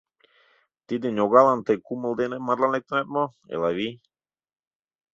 Тиде ньогалан тый кумыл дене марлан лектынат мо, Элавий?